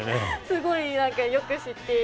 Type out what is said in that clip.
すごいよく知って。